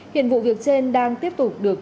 hiện vụ việc trên đang tiếp tục được